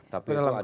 tapi itu ada proses